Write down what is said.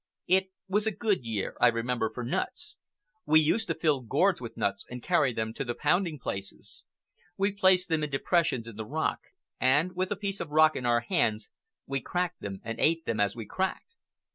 It was a good year, I remember, for nuts. We used to fill gourds with nuts and carry them to the pounding places. We placed them in depressions in the rock, and, with a piece of rock in our hands, we cracked them and ate them as we cracked.